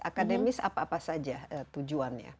akademis apa apa saja tujuannya